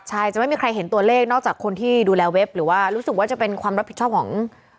ใช่จะไม่มีใครเห็นตัวเลขนอกจากคนที่ดูแลเว็บหรือว่ารู้สึกว่าจะเป็นความรับผิดชอบของ